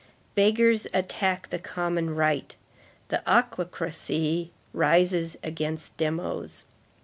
Beggars attack the common right; the ochlocracy rises against demos.